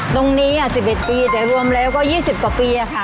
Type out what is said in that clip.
ตรงนี้อ่ะ๑๑ปีแต่รวมแล้วก็๒๐กว่าปีอ่ะค่ะ